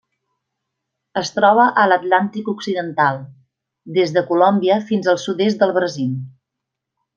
Es troba a l'Atlàntic occidental: des de Colòmbia fins al sud-est del Brasil.